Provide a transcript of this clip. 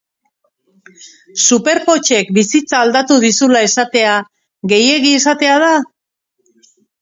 Supertxopek bizitza aldatu dizula esatea gehiegi esatea da?